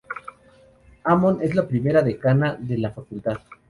Amon es la primera decana de la Facultad.